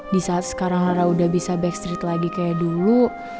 di saat sekarang rara sudah bisa backstreet lagi kayak dulu